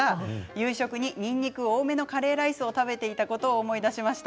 夕食ににんにくを多めのカレーライスを食べていたことを思い出しました。